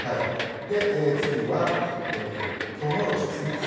次は、とうもろこしですね。